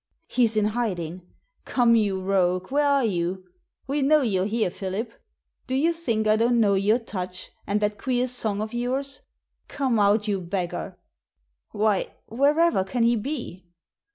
"He's in hiding. Come, you rogue, where are you ? We know you're here, Philip. Do you think I don't know your touch, and that queer song of yours ? Come out, you beggar ! Why, wherever can he be?"